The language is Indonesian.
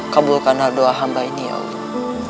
kabulkanlah doa hamba ini ya allah